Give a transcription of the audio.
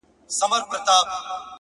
o د درد د كړاوونو زنده گۍ كي يو غمى دی،